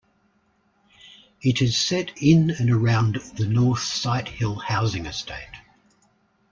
It is set in and around the North Sighthill housing estate.